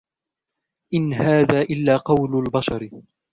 إِنْ هَذَا إِلاَّ قَوْلُ الْبَشَرِ